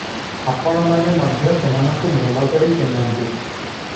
ଆପଣମାନେ ମଧ୍ୟ ସେମାନଙ୍କୁ ଭଲକରି ଚିହ୍ନନ୍ତି ।